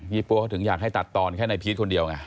ปั๊วเขาถึงอยากให้ตัดตอนแค่ในพีชคนเดียวไง